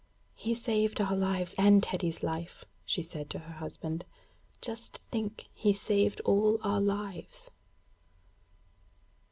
'He saved our lives and Teddy's life,' she said to her husband. 'Just think, he saved all our lives.'